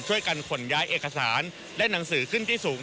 ขนย้ายเอกสารและหนังสือขึ้นที่สูง